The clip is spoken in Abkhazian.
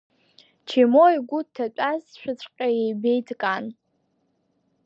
Чемо игәы дҭатәазшәаҵәҟьа ибеит Кан.